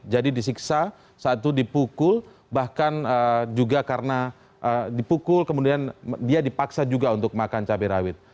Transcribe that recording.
jadi disiksa saat itu dipukul bahkan juga karena dipukul kemudian dia dipaksa juga untuk makan cabai rawit